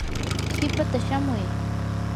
qipaata shamuy.